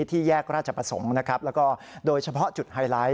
ที่แยกราชประสงค์แล้วก็โดยเฉพาะจุดไฮไลท์